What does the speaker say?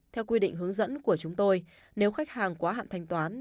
theo quy định hướng dẫn của chúng tôi nếu khách hàng quá hạn thanh toán